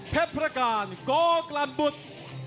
เพศพระการณ์กกลันบุตร